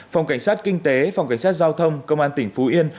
phòng cảnh sát kinh tế phòng cảnh sát giao thông công an tỉnh phú yên